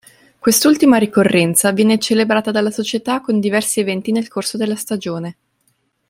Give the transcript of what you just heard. Quest'ultima ricorrenza viene celebrata dalla società con diversi eventi nel corso della stagione.